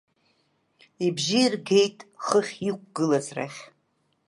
Ибжьы иргеит хыхь иқәгылаз рахь…